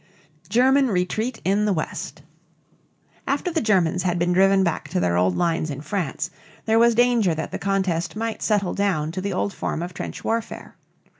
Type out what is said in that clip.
GERMAN RETREAT IN THE WEST. After the Germans had been driven back to their old lines in France, there was danger that the contest might settle down to the old form of trench warfare.